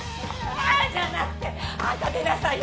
じゃなくてあんた出なさいよ。